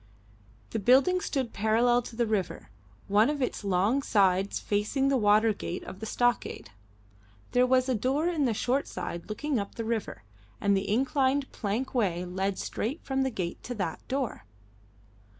The building stood parallel to the river, one of its long sides facing the water gate of the stockade. There was a door in the short side looking up the river, and the inclined plank way led straight from the gate to that door.